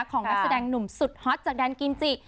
ของนักแสดงหนุ่มสุดฮอตจากแดนกิมจิ